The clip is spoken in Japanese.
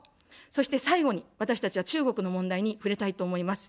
そして最後に、私たちは中国の問題に触れたいと思います。